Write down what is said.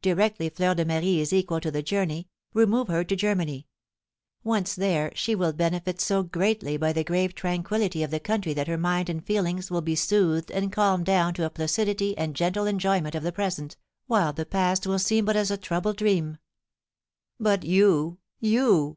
Directly Fleur de Marie is equal to the journey, remove her to Germany; once there, she will benefit so greatly by the grave tranquillity of the country that her mind and feelings will be soothed and calmed down to a placidity and gentle enjoyment of the present, while the past will seem but as a troubled dream." "But you you?"